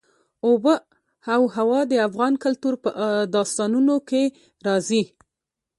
آب وهوا د افغان کلتور په داستانونو کې راځي.